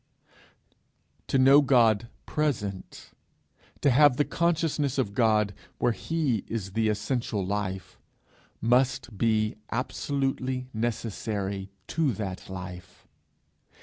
To know God present, to have the consciousness of God where he is the essential life, must be absolutely necessary to that life!